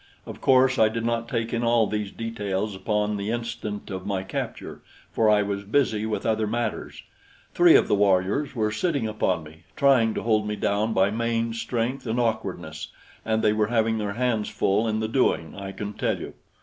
Of course I did not take in all these details upon the instant of my capture, for I was busy with other matters. Three of the warriors were sitting upon me, trying to hold me down by main strength and awkwardness, and they were having their hands full in the doing, I can tell you.